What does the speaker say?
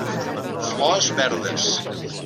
Flors verdes.